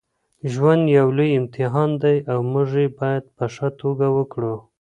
ژوند یو لوی امتحان دی او موږ یې باید په ښه توګه ورکړو.